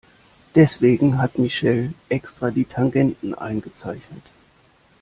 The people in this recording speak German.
Deswegen hat Michelle extra die Tangenten eingezeichnet.